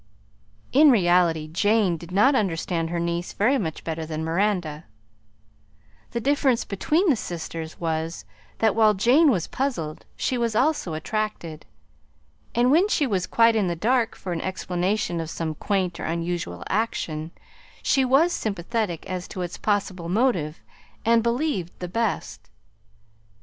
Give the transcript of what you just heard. In reality Jane did not understand her niece very much better than Miranda; the difference between the sisters was, that while Jane was puzzled, she was also attracted, and when she was quite in the dark for an explanation of some quaint or unusual action she was sympathetic as to its possible motive and believed the best.